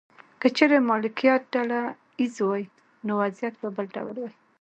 که چیرې مالکیت ډله ایز وای نو وضعیت به بل ډول و.